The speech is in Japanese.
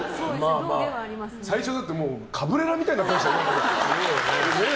最初、カブレラみたいな感じでしたよね。